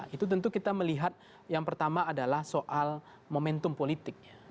itu tentu kita melihat yang pertama adalah soal momentum politik